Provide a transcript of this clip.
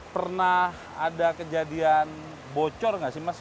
pernah ada kejadian bocor nggak sih mas